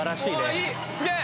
わあいいすげえ！